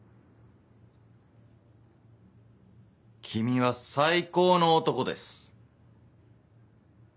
君は最高の男です。